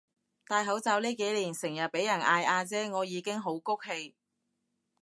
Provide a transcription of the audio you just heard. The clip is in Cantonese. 戴口罩呢幾年成日畀人嗌阿姐我已經好谷氣